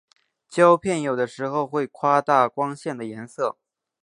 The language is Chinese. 胶片有的时候会夸大光线的颜色。